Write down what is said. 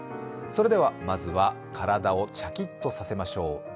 それでは、まずは体をシャキッとさせましょう。